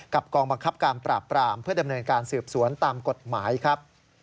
กองบังคับการปราบปรามเพื่อดำเนินการสืบสวนตามกฎหมายครับ